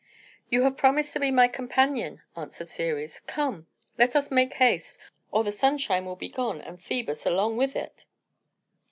"You have promised to be my companion," answered Ceres. "Come, let us make haste, or the sunshine will be gone, and Phœbus along with it."